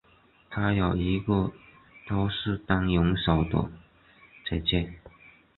她有一个都是当泳手的姐姐。